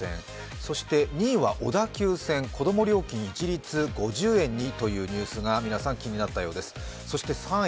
そして２位は小田急線、子供料金一律５０円にというニュースが皆さん、気になったようです。